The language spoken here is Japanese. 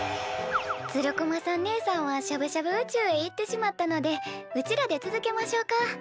つる駒さんねえさんはしゃぶしゃぶ宇宙へ行ってしまったのでうちらで続けましょうか。